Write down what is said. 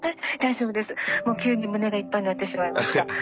もう急に胸がいっぱいになってしまいました。